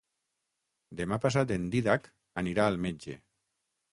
Demà passat en Dídac anirà al metge.